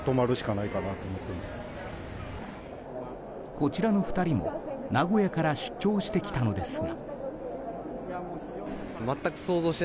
こちらの２人も名古屋から出張してきたのですが。